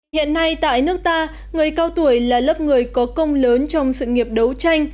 hiện nay tại nước ta người cao tuổi là lớp người có công lớn trong sự nghiệp đấu tranh